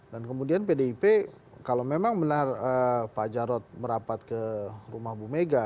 dan kemudian pdip kalau memang benar pak jarod merapat ke rumah bu mega